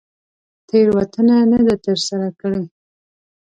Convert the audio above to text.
تېروتنه نه ده تر سره کړې.